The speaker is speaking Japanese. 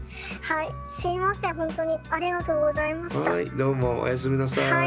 どうもおやすみなさい。